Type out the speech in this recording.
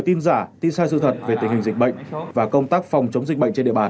tin giả tin sai sự thật về tình hình dịch bệnh và công tác phòng chống dịch bệnh trên địa bàn